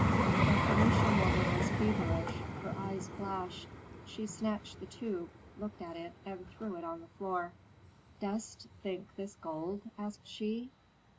The Phœnician woman was feverish; her eyes flashed. She snatched the tube, looked at it, and threw it on the floor. "Dost think this gold?" asked she.